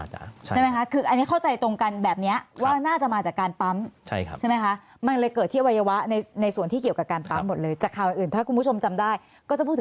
แต่ทีนี้บรรทัศน์สุดท้ายบอกเลยไหมคะ